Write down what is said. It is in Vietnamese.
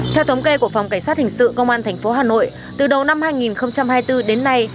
theo thống kê của phòng cảnh sát hình sự công an tp hà nội từ đầu năm hai nghìn hai mươi bốn đến nay